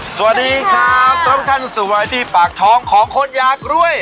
สวัสดีค่ะต้องขั้นสุดไว้ที่ปากท้องของคนยากรวย